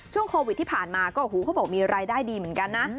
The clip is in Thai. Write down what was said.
ช่วงโควิดที่ผ่านมาก็โอ้โหเขาบอกมีรายได้ดีเหมือนกันนะ